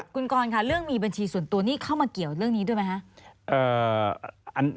คุณกรค่ะเรื่องมีบัญชีส่วนตัวนี่เข้ามาเกี่ยวเรื่องนี้ด้วยไหมคะ